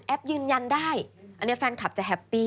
ยืนยันได้อันนี้แฟนคลับจะแฮปปี้